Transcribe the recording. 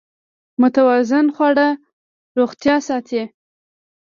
متوازن خواړه روغتیا ساتي.